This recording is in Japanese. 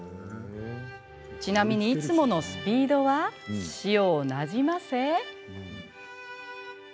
ちなみにいつものスピードは塩をなじませ。